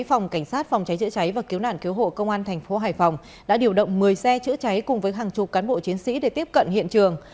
phòng cảnh sát phòng cháy chữa cháy và cứu nạn cứu hộ công an thành phố hải phòng đã điều động một mươi xe chữa cháy cùng với hàng chục cán bộ chiến sĩ để tiếp cận hiện trường